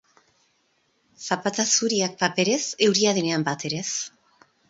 Zapata zuriak paperez, euria denean batere ez.